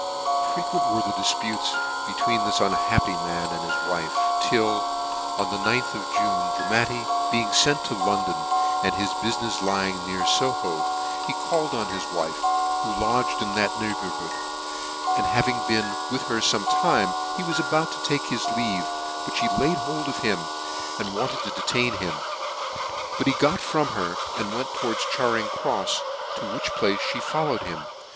Frequent were the difputes between this un happy man and his wife, till, on the 9th of June, Dramatti being fent to London, and his bufinefs lying near Soho, he called on his wife, who lodg ed in that neighbourhood, and having been with her fome time, he was about to take his leave, but fhe laid hold of him and wanted to detain him : but he got from her, and went towards Charing Crofs, to which place ftie followed him; tut J. P. DRAMATTI for Murder.